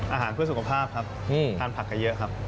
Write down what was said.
อาหารเพื่อสุขภาพครับทานผักกันเยอะครับ